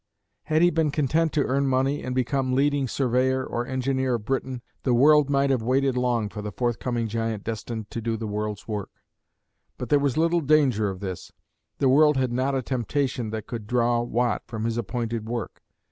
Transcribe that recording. Had he been content to earn money and become leading surveyor or engineer of Britain, the world might have waited long for the forthcoming giant destined to do the world's work; but there was little danger of this. The world had not a temptation that could draw Watt from his appointed work.